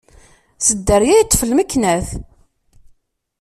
S dderya yeṭṭef lmeknat.